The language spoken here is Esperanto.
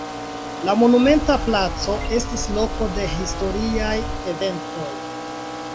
La monumenta placo estis loko de historiaj eventoj.